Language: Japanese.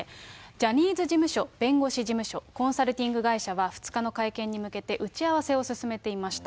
ジャニーズ事務所、弁護士事務所、コンサルティング会社は、２日の会見に向けて打ち合わせを進めていました。